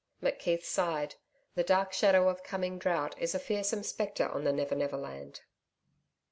] McKeith sighed. The dark shadow of coming drought is a fearsome spectre on the Never Never Land.